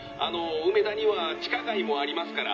梅田には地下街もありますから」。